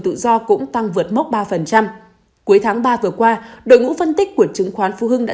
tự do cũng tăng vượt mốc ba cuối tháng ba vừa qua đội ngũ phân tích của chứng khoán phú hưng đã